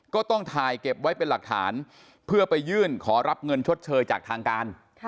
ก็ต้องถ่ายเก็บไว้เป็นหลักฐานเพื่อไปยื่นขอรับเงินชดเชยจากทางการ